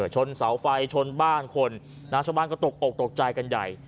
ชนเสาไฟชนบ้านคนชาวบ้านก็ตกอกตกใจกันใหญ่